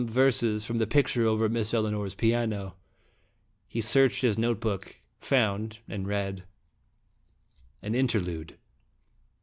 127 verses about the picture over Miss Elinor's piano." He searched his note book, found, and read : AN INTERLUDE.